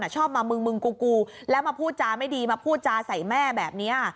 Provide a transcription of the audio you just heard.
ชอบมามึงมึงกูแล้วมาพูดจาไม่ดีมาพูดจาใส่แม่แบบนี้